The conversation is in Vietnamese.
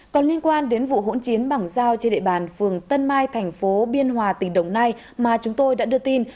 còn liên quan đến vụ hỗn chiến bằng dao trên địa bàn phường tân mai thành phố biên hòa tỉnh đồng nai mà chúng tôi đã đưa tin